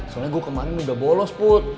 soalnya gue kemarin udah bolos put